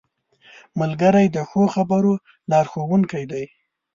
ملګری د ښو خبرو لارښوونکی دی